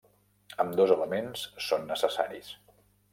Ambdós elements són necessaris.